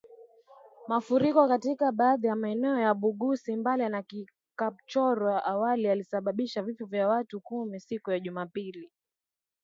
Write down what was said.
Mafuriko katika baadhi ya maeneo ya Bugisu, Mbale na Kapchorwa awali yalisababisha vifo vya watu kumi siku ya Jumapili.